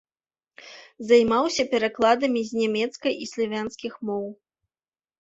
Займаўся перакладамі з нямецкай і славянскіх моў.